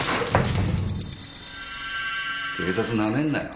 警察なめんなよ。